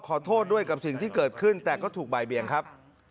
ขอโทษด้วยกับสิ่งที่เกิดขึ้นแต่ก็ถูกบ่ายเบียงครับ